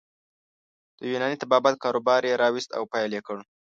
د یوناني طبابت کاروبار يې راویست او پیل یې کړ.